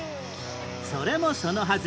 それもそのはず